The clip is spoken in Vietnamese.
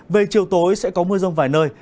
về chiều tối sẽ có mưa rông vài nơi